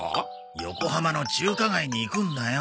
横浜の中華街に行くんだよ。